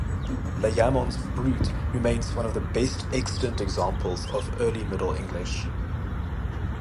Layamon's "Brut" remains one of the best extant examples of early Middle English.